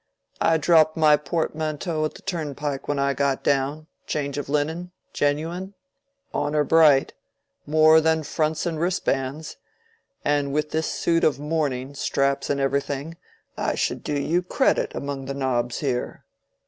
I dropped my portmanteau at the turnpike when I got down—change of linen—genuine—honor bright—more than fronts and wristbands; and with this suit of mourning, straps and everything, I should do you credit among the nobs here."